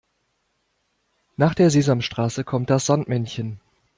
Nach der Sesamstraße kommt das Sandmännchen.